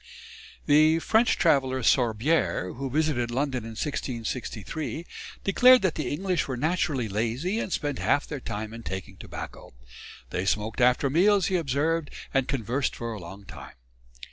The French traveller, Sorbière, who visited London in 1663, declared that the English were naturally lazy and spent half their time in taking tobacco. They smoked after meals, he observed, and conversed for a long time.